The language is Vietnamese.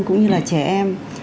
cũng như là trẻ em